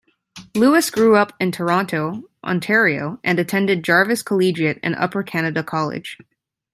Lewis grew up in Toronto, Ontario, and attended Jarvis Collegiate and Upper Canada College.